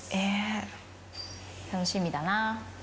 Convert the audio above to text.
楽しみだな。